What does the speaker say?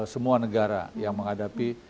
semua negara yang menghadapi